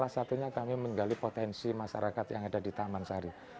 salah satunya kami menggali potensi masyarakat yang ada di taman sari